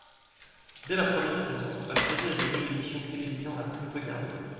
Dès la première saison, la série est devenue l'émission de télévision la plus regardée.